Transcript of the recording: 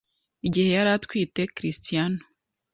igihe yari atwite Cristiano